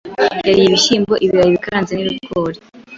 Yariye ibishyimbo ibirayi bikaranze n'ibigo